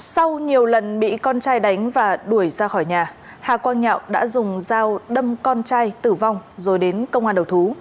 sau nhiều lần bị con trai đánh và đuổi ra khỏi nhà hà quang nhạo đã dùng dao đâm con trai tử vong rồi đến công an đầu thú